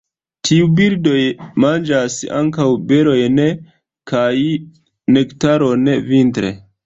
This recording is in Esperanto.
Tiuj birdoj manĝas ankaŭ berojn kaj nektaron vintre.